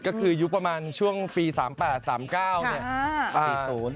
ก็คือยุคประมาณช่วงปี๓๘๓๙เนี่ย